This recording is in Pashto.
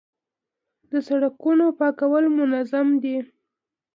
د سړکونو پاکول منظم دي؟